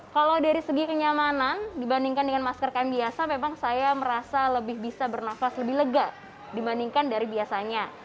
kalau dari segi kenyamanan dibandingkan dengan masker kain biasa memang saya merasa lebih bisa bernafas lebih lega dibandingkan dari biasanya